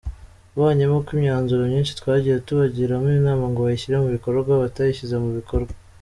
Uvanyemo ko imyanzuro myinshi twagiye tubagiramo inama ngo bashyire mu bikorwa batayishyize mu bikorwa.